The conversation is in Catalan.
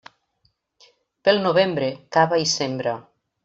Pel novembre, cava i sembra.